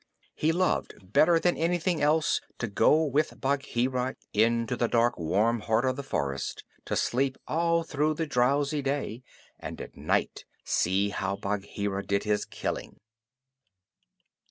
He loved better than anything else to go with Bagheera into the dark warm heart of the forest, to sleep all through the drowsy day, and at night see how Bagheera did his killing.